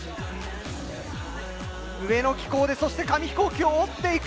上の機構でそして紙飛行機を折っていく。